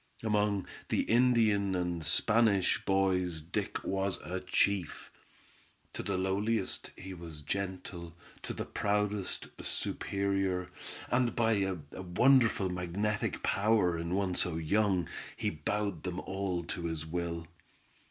Among the Indian and Spanish boys Dick was chief. To the lowliest he was gentle, to the proudest, superior, and by a wonderful magnetic power in one so young he bowed them all to his will.